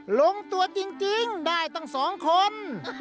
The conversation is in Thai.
ลงตัวจริงได้ตั้ง๒คน